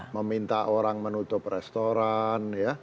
meminta orang menutup restoran